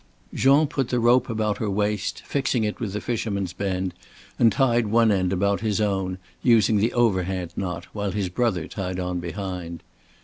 Jean put the rope about her waist, fixing it with the fisherman's bend, and tied one end about his own, using the overhand knot, while his brother tied on behind.